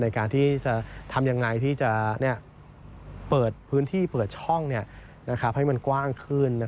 ในการที่จะทำอย่างไรที่จะเปิดพื้นที่เปิดช่องให้มันกว้างขึ้น